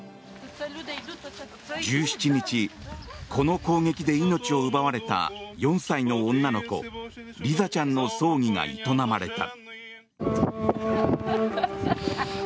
１７日、この攻撃で命を奪われた４歳の女の子リザちゃんの葬儀が営まれた。